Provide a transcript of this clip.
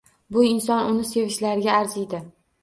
Bu inson uni sevishlariga arziydi.